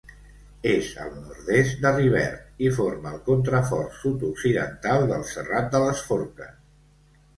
És al nord-est de Rivert i forma el contrafort sud-occidental del Serrat de les Forques.